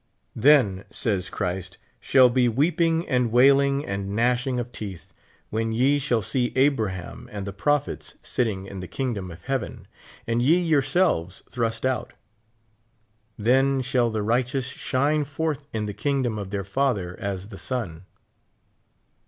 Then, sa3's Christ, shall be weeping and wailing and gnashing of teeth, when ye sliall see Abraham and the prophets sitting in the king dom of heaven, and ye yourselves thrust out. Then shall the righteous shine forth in the kingdom of their Father as the sun.